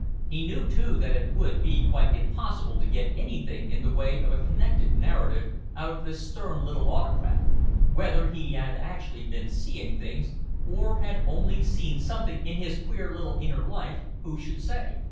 He knew too that it would be quite impossible to get anything in the way of a connected narrative out of this stern little autocrat. Whether he had actually been "seeing things" or had only seen something in his queer little inner life, who should say?